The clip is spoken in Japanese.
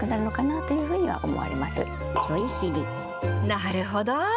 なるほど。